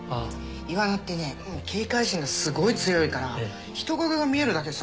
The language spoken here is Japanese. イワナってね警戒心がすごい強いから人影が見えるだけでさ